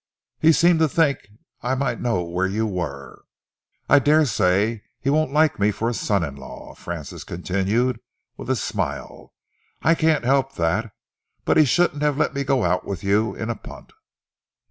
He seemed to think I might know where you were. I dare say he won't like me for a son in law," Francis continued with a smile. "I can't help that. He shouldn't have let me go out with you in a punt."